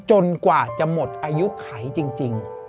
จนกว่าจะหมดอายุไขจริง